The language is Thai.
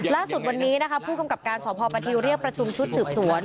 ล่าสุดวันนี้นะคะผู้กำกับการสพประทิวเรียกประชุมชุดสืบสวน